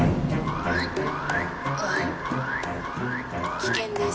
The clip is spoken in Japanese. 危険です。